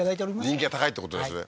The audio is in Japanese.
人気が高いってことですね